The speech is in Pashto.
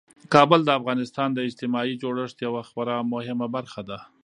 کابل د افغانستان د اجتماعي جوړښت یوه خورا مهمه برخه ده.